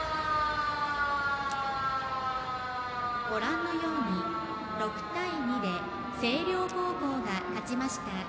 ご覧のように６対２で星稜高校が勝ちました。